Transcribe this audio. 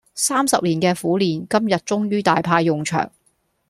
三十年嘅苦練，今日終於大派用場